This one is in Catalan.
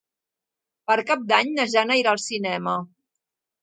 Per Cap d'Any na Jana irà al cinema.